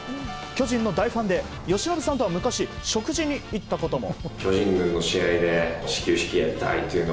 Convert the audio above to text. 巨人の大ファンで由伸さんとは昔、食事に行ったことも。